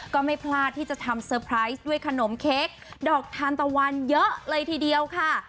ก็ไม่พลาดที่จะทำเซอร์ไพรส์ด้วยขนมเค้กดอกทานตะวันเยอะเลยทีเดียวค่ะ